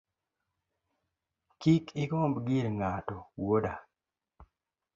Kik igomb gir ng’ato wuoda